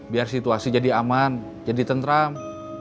biar situasi jadi aman jadi tentram